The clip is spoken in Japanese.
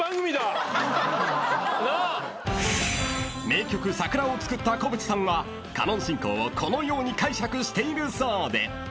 ［名曲『桜』を作った小渕さんはカノン進行をこのように解釈しているそうで］